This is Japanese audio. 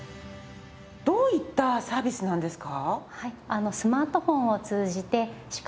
どういったサービスなんですか？